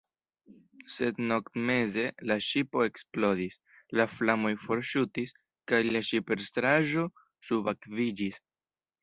Sed noktmeze la ŝipo eksplodis, la flamoj forŝutis, kaj la ŝiprestaĵo subakviĝis.